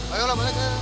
ayo lah balik ya